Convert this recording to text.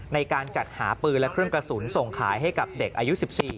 ในการจัดหาปืนและเครื่องกระสุนส่งขายให้กับเด็กอายุ๑๔